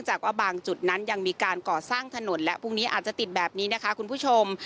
จากว่าบางจุดนั้นยังมีการก่อสร้างถนนและพรุ่งนี้อาจจะติดแบบนี้นะคะคุณผู้ชม